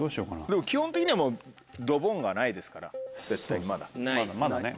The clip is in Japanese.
でも基本的にはもうドボンがないですから。まだねまだ。